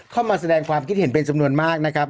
เข้ามาแสดงความคิดเห็นเป็นจำนวนมากนะครับ